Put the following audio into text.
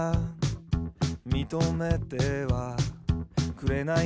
「認めてはくれないか」